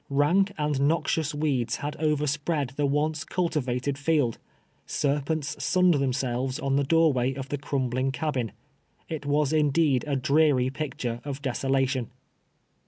Hank and noxious weeds had overspread the once cul tivated lield — serpents sunned themselves on the door way of the crumbling cabin. It was indeed a dreary picture of desolation.